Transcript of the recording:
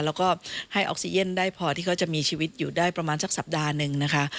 แล้วก็ให้ออกซีเย็นได้พอที่เขาจะมีชีวิตอยู่ได้ประมาณสักสัปดาห์หนึ่งนะคะ